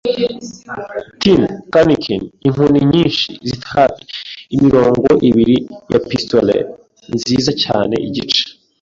tin canikin, inkoni nyinshi z'itabi, imirongo ibiri ya pistolet nziza cyane, igice